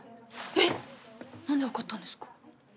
えっ何で分かったんですか！？